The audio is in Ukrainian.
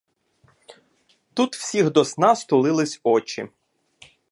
Тут всіх до сна стулились очі